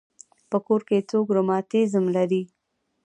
په کور کې څوک رماتیزم لري.